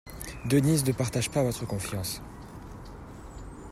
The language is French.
Denise ne partage pas votre confiance.